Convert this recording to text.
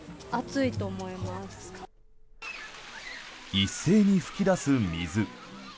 一斉に噴き出す水。